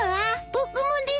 僕もです。